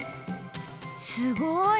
すごい！